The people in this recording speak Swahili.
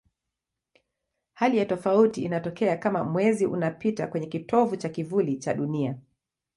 Hali ya tofauti inatokea kama Mwezi unapita kwenye kitovu cha kivuli cha Dunia.